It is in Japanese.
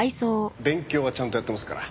勉強はちゃんとやってますから。